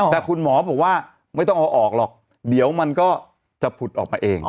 แต่คุณหมอบอกว่าไม่ต้องเอาออกหรอกเดี๋ยวมันก็จะผุดออกมาเอง